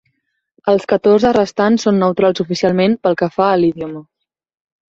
Els catorze restants són neutrals oficialment pel que fa a l'idioma.